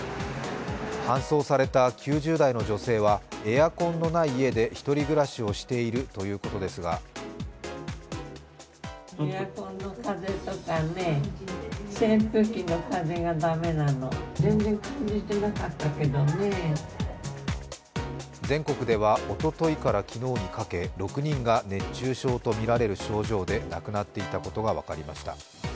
搬送された９０代の女性はエアコンのない家で１人暮らしをしているということですが全国ではおとといから昨日にかけ、６人が熱中症とみられる症状で亡くなっていたことが分かりました。